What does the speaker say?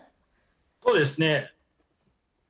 そうですね。